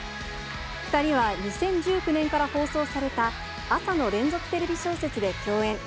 ２人は２０１９年から放送された、朝の連続テレビ小説で共演。